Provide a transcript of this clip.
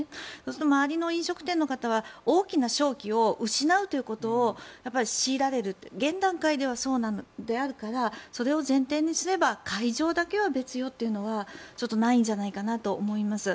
周りの飲食店の方は大きな商機を逃すことを強いられると現段階ではそうであるからそれを前提にすれば会場だけは別よというのはないんじゃないかなと思います。